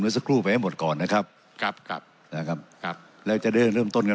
สักครู่ไปให้หมดก่อนนะครับครับครับนะครับครับแล้วจะได้เริ่มต้นกัน